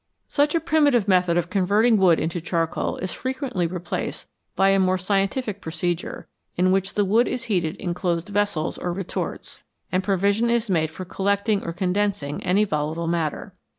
Such a primitive method of converting wood into charcoal is frequently replaced by a more scientific procedure, in which the wood is heated in closed vessels or retorts, and provision is made for collecting or condensing any volatile matter.